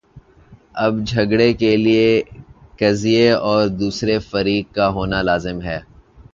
اب جھگڑے کے لیے قضیے اور دوسرے فریق کا ہونا لازم ہے۔